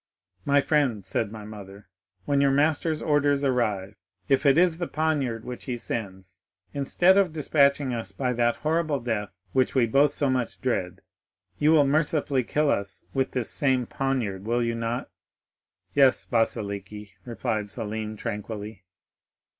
'—'My friend,' said my mother, 'when your master's orders arrive, if it is the poniard which he sends, instead of despatching us by that horrible death which we both so much dread, you will mercifully kill us with this same poniard, will you not?'—'Yes, Vasiliki,' replied Selim tranquilly.